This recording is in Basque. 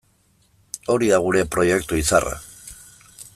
Hori da gure proiektu izarra.